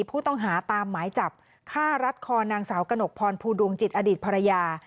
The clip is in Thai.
ผู้ต้องหาตามหมายจับฆ่ารัดคอนางสาวกระหนกพรภูดวงจิตอดีตภรรยา